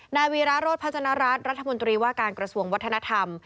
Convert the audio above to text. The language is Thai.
นาวีร้าโรดพจนรัฐรัฐมนตรีหว้าการกระทงวัฒนธรรม